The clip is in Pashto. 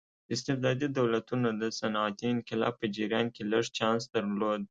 استبدادي دولتونو د صنعتي انقلاب په جریان کې لږ چانس درلود.